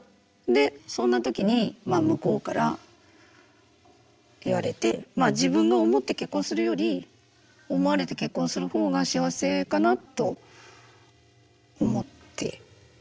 でそんな時に向こうから言われてまあ自分が思って結婚するより思われて結婚するほうが幸せかなと思ってまあ結婚したっていう。